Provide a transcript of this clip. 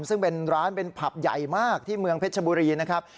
ซึ่งเป็นร้านเป็นผับใหญ่มากที่เมืองเพชรชบุรีนะครับ